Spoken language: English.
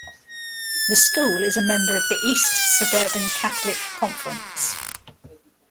The school is a member of the East Suburban Catholic Conference.